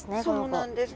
そうなんです。